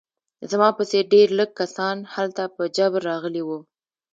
زما په څېر ډېر لږ کسان هلته په جبر راغلي وو